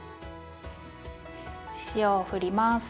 塩をふります。